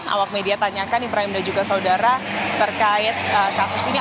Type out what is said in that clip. awak media tanyakan ibrahim dan juga saudara terkait kasus ini